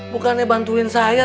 bukannya bantuin saya